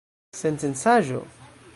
Sensencaĵo!